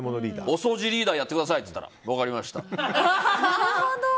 お掃除リーダーやってくださいって言われたら分かりましたと。